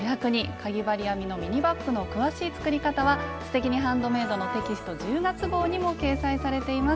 かぎ針編みのミニバッグの詳しい作り方は「すてきにハンドメイド」のテキスト１０月号にも掲載されています。